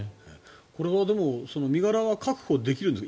これは身柄は確保できるんですかね。